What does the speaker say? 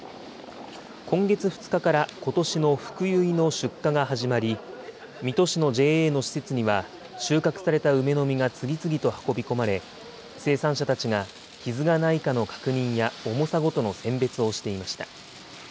今月２日からことしのふくゆいの出荷が始まり、水戸市のＪＡの施設には、収穫された梅の実が次々と運び込まれ、生産者たちが傷がないかの確認や重さごとの選別をしていました。